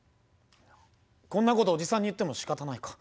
こんなことおじさんに言ってもしかたないか。